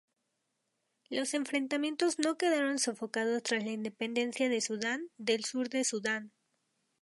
Los enfrentamientos no quedaron sofocados tras la independencia de Sudán del Sur de Sudán.